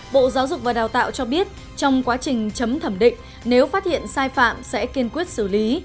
bộ giáo dục và đào tạo cho biết trong quá trình chấm thẩm định nếu phát hiện sai phạm sẽ kiên quyết xử lý